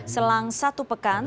selang satu pekan